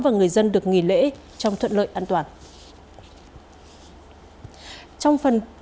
và người dân được nghỉ lễ trong thuận lợi an toàn